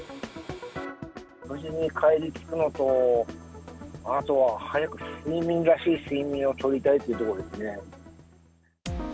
無事に帰り着くのと、あとは早く睡眠らしい睡眠をとりたいというところですね。